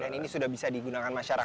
dan ini sudah bisa digunakan masyarakat